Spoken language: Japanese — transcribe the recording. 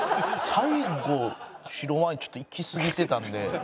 最後白ワインちょっといきすぎてたんで。